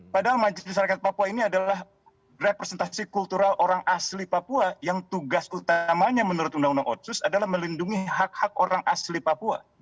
padahal majelis masyarakat papua ini adalah representasi kultural orang asli papua yang tugas utamanya menurut undang undang otsus adalah melindungi hak hak orang asli papua